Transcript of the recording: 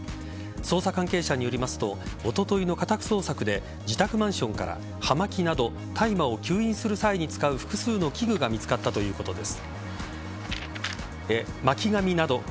捜査関係者によりますとおとといの家宅捜索で自宅マンションから巻紙など大麻を吸引する際に使う複数の器具が見つかったということです。